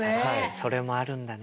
それもあるんだな。